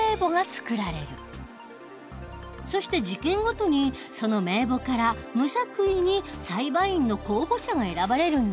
そして事件ごとにその名簿から無作為に裁判員の候補者が選ばれるんだ。